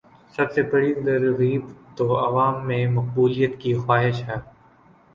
سب سے بڑی ترغیب تو عوام میں مقبولیت کی خواہش ہے۔